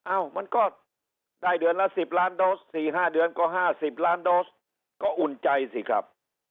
มันก็ได้เดือนละ๑๐ล้านโดส๔๕เดือนก็๕๐ล้านโดสก็อุ่นใจสิครับ